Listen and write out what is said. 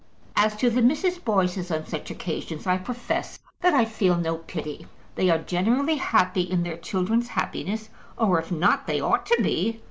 As to the Mrs. Boyces on such occasions, I profess that I feel no pity. They are generally happy in their children's happiness, or if not, they ought to be.